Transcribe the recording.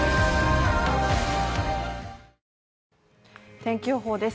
天気予報です。